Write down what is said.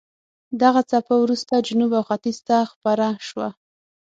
دغه څپه وروسته جنوب او ختیځ ته خپره شوه.